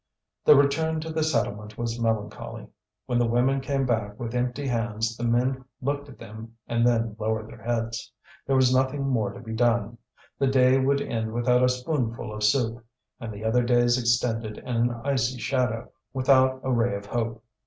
The return to the settlement was melancholy. When the women came back with empty hands, the men looked at them and then lowered their heads. There was nothing more to be done, the day would end without a spoonful of soup; and the other days extended in an icy shadow, without a ray of hope.